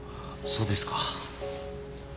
そうですか。